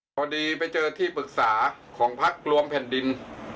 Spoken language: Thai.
พอดีไปเจอที่ปรึกษาของพักรวมแผ่นดิน